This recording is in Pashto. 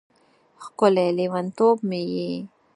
ښکلی لیونتوب مې یې